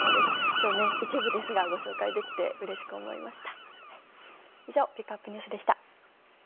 今日、一部ですがご紹介できてうれしく思いました。